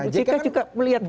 jk juga melihat karena